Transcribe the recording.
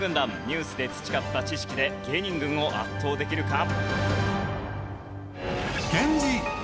ニュースで培った知識で芸人軍を圧倒できるか？